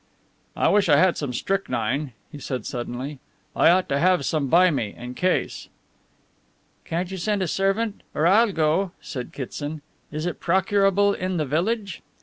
"I wish I had some strychnine," he said suddenly. "I ought to have some by me in case." "Can't you send a servant or I'll go," said Kitson. "Is it procurable in the village?"